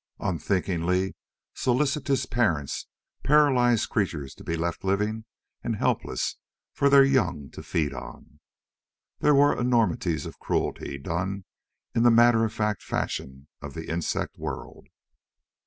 Unthinkingly solicitous parents paralyzed creatures to be left living and helpless for their young to feed on. There were enormities of cruelty done in the matter of fact fashion of the insect world.